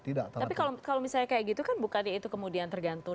tapi kalau misalnya kayak gitu kan bukannya itu kemudian tergantung